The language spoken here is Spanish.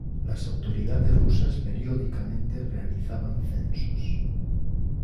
Las autoridades rusas periódicamente realizaban censos.